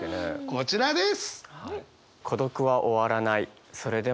こちらです！